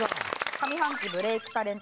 上半期ブレイクタレント